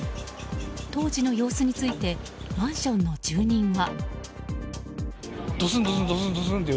当時の様子についてマンションの住人は。